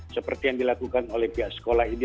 seperti yang dilakukan oleh pihak sekolah ini